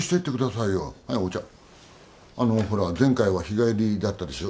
あのほら前回は日帰りだったでしょ。